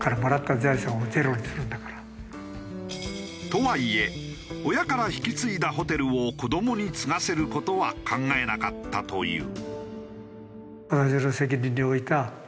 とはいえ親から引き継いだホテルを子どもに継がせる事は考えなかったという。